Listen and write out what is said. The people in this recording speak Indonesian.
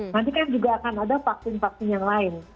nanti kan juga akan ada vaksin vaksin yang lain